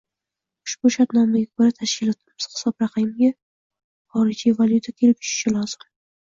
Ushbu shartnomaga ko‘ra tashkilotimiz hisob raqamiga xorijiy valyuta kelib tushishi lozim.